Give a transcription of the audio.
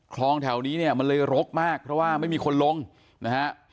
คลองแถวนี้เนี่ยมันเลยรกมากเพราะว่าไม่มีคนลงนะฮะ